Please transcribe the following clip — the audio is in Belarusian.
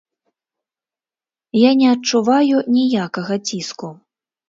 Я не адчуваю ніякага ціску.